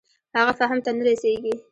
هغه فهم ته نه رسېږي.